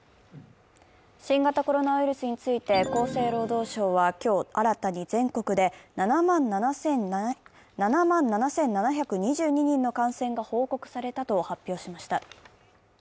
新型コロナウイルスについて厚生労働省は今日新たに全国で７万７７２２人の感染が報告されたと発表しました。